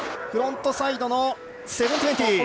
フロントサイドの７２０。